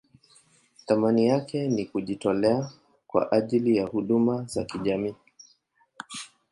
Thamani yake ni kujitolea kwa ajili ya huduma za kijamii.